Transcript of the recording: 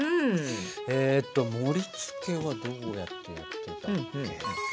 えっと盛りつけはどうやってやってたっけ。